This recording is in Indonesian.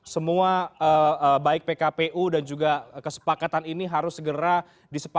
semua baik pkpu dan juga kesepakatan ini harus segera disepakati oleh sebagian dari pemerintah